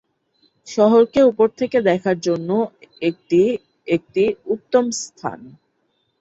শহরকে উপর থেকে দেখার জন্য এটি একটি উত্তম স্থান।